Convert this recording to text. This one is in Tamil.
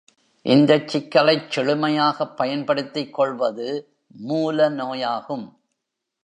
இந்தச் சிக்கலைச் செழுமையாகப் பயன்படுத்திக் கொள்வது மூல நோயாகும்.